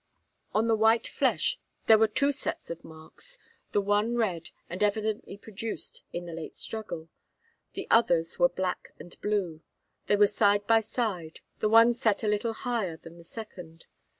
On the white flesh there were two sets of marks the one red, and evidently produced in the late struggle. The others were black and blue. They were side by side, the one set a little higher than the second.